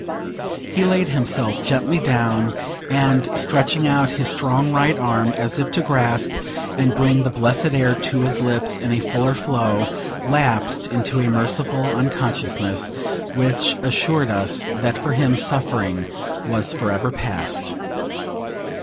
He laid himself gently down; and, stretching out his strong right arm, as if to grasp and bring the blessed air to his lips in a fuller flow, lapsed into a merciful unconsciousness, which assured us that for him suffering was forever past.